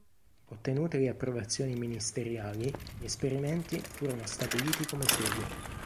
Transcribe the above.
Ottenute le approvazioni ministeriali gli esperimenti furono stabiliti come segue.